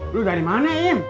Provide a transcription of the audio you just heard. lo dari mana im